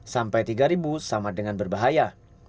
tiga ratus sampai tiga ribu sama dengan berbahaya